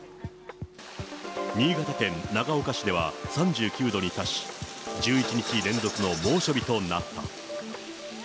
新潟県長岡市では３９度に達し、１１日連続の猛暑日となった。